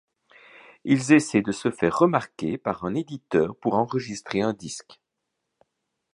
Ils essayent de se faire remarquer par un éditeur pour enregistrer un disque.